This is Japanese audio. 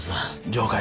了解。